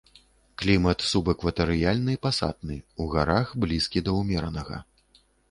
Клімат субэкватарыяльны пасатны, у гарах блізкі да умеранага.